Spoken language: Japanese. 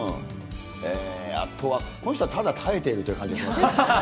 あとは、この人はただ耐えてるという感じがしましたけどね。